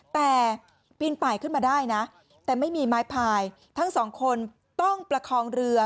แต่ปีนป่ายขึ้นมาได้นะแต่ไม่มีไม้พายทั้งสองคนต้องประคองเรือ